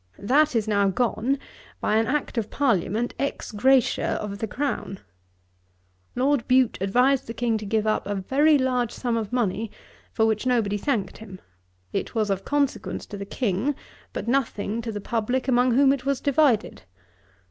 That is now gone by an act of Parliament ex gratiâ of the Crown. Lord Bute advised the King to give up a very large sum of money, for which nobody thanked him. It was of consequence to the King, but nothing to the publick, among whom it was divided.